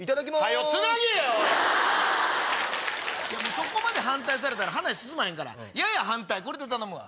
そこまで反対されたら話進まへん「やや反対」で頼むわ。